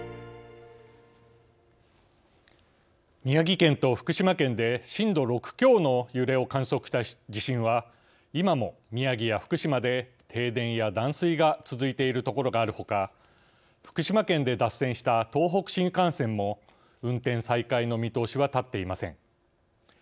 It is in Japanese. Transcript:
宮城県と福島県で震度６強の揺れを観測した地震は今も宮城や福島で停電や断水が続いている所があるほか福島県で脱線した東北新幹線も運転再開の見通しは立っていません。